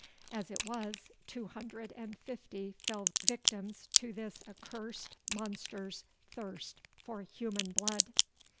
As it was, two hundred and fifty fell victims to this accursed monster's thirst for human blood.